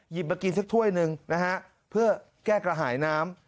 มากินสักถ้วยหนึ่งนะฮะเพื่อแก้กระหายน้ำ